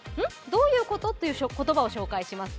どういうこと？という言葉を紹介します。